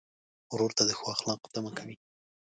ورور ته د ښو اخلاقو تمه کوې.